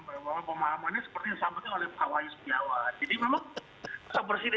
bahwa pemahamannya seperti disampaikan oleh pak wayus biawan